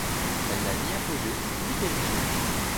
Elle n'a ni apogée ni périgée.